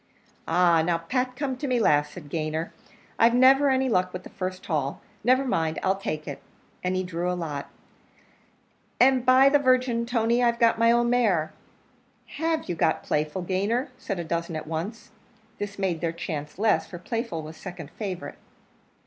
"Ah! now, Pat, come to me last," said Gayner; "I've never any luck with the first haul; never mind, I'll take it," and he drew a lot, "and, by the Virgin, Tony, I've got my own mare!" "Have you got Playful, Gayner?" said a dozen at once. This made their chance less, for Playful was second favourite.